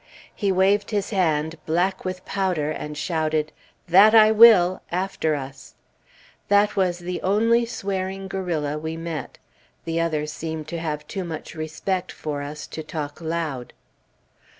He waved his hand, black with powder, and shouted, "That I will!" after us. That was the only swearing guerrilla we met; the others seemed to have too much respect for us to talk loud.